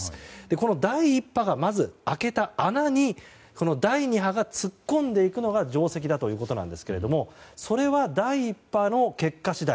この第１波がまず開けた穴に第２波が突っ込んでいくのが定石だということなんですがそれは第１波の結果次第。